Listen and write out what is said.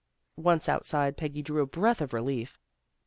Once outside, Peggy drew a breath of relief.